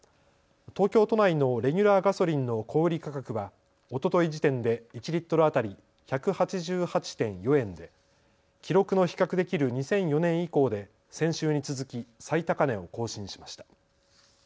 東京都内のレギュラーガソリンの小売価格はおととい時点で１リットル当たり１８８．４円で記録の比較できる２００４年以降で先週に続き最高値を更新しました。